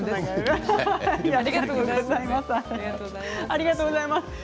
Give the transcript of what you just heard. ありがとうございます。